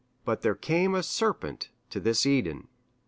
But there came a serpent to this Eden.